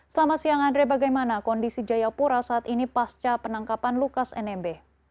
selamat siang andre bagaimana kondisi jayapura saat ini pasca penangkapan lukas nmb